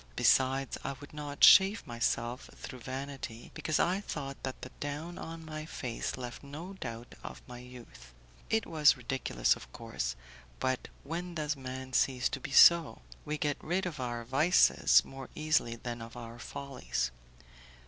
Besides, I would not shave myself, through vanity, because I thought that the down on my face left no doubt of my youth. It was ridiculous, of course; but when does man cease to be so? We get rid of our vices more easily than of our follies.